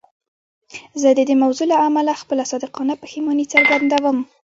زه د دې موضوع له امله خپله صادقانه پښیماني څرګندوم.